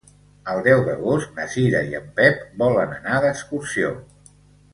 El deu d'agost na Cira i en Pep volen anar d'excursió.